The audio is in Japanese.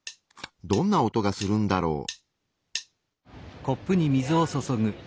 どんな音がするんだろう。